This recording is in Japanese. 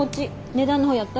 値段の方やった？